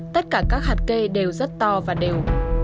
tất cả các hạt cây đều rất to và đều